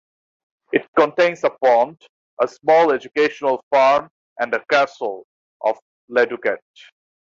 It contains a pond, a small educational farm and the castle of Ladoucette.